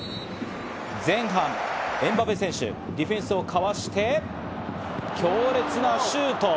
前半、エムバペ選手、ディフェンスをかわして強烈なシュート！